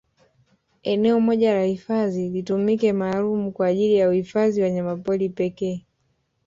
Eneo moja la uhifadhi litumike maalum kwa ajili ya uhifadhi wanyamapori pekee